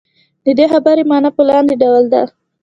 د دې خبرې معنا په لاندې ډول ده.